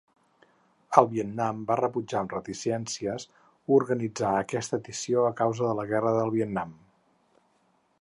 El Vietnam va rebutjar, amb reticències, organitzar aquesta edició a causa de la Guerra del Vietnam.